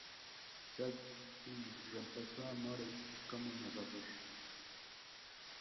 Zac Fine reemplazó a Moore como narrador.